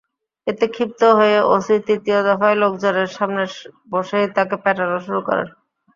এতে ক্ষিপ্ত হয়ে ওসি তৃতীয় দফায় লোকজনের সামনে বসেই তাকে পেটানো শুরু করেন।